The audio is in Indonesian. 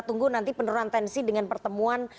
tunggu nanti penurunan tensi dengan pertemuan